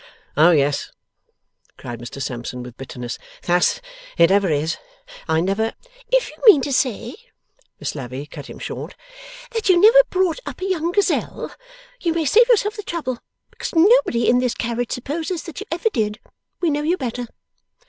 'Oh yes!' cried Mr Sampson, with bitterness. 'Thus it ever is. I never ' 'If you mean to say,' Miss Lavvy cut him short, that you never brought up a young gazelle, you may save yourself the trouble, because nobody in this carriage supposes that you ever did. We know you better.